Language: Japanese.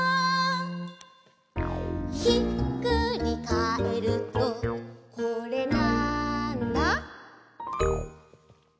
「ひっくりかえるとこれ、なんだ？」